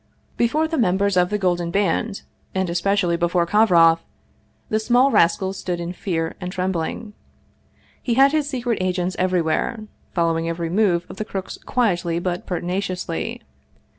Before the mem bers of the Golden Band, and especially before Kovroff, the small rascals stood in fear and trembling. He had his secret agents everywhere, following every move of the crooks quietly but pertinaciously.